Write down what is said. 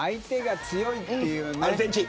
アルゼンチン。